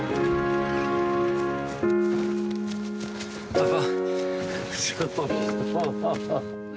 パパ。